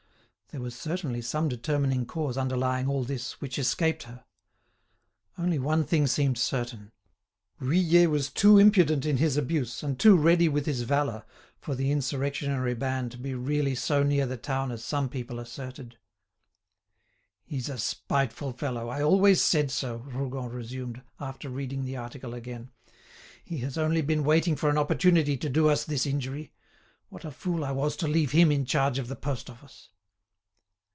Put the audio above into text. There was certainly some determining cause underlying all this which escaped her. Only one thing seemed certain. Vuillet was too impudent in his abuse and too ready with his valour, for the insurrectionary band to be really so near the town as some people asserted. "He's a spiteful fellow, I always said so," Rougon resumed, after reading the article again. "He has only been waiting for an opportunity to do us this injury. What a fool I was to leave him in charge of the post office!"